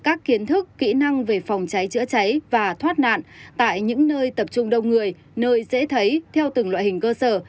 các kiến thức kỹ năng về phòng cháy chữa cháy và thoát nạn tại những nơi tập trung đông người nơi dễ thấy theo từng loại hình cơ sở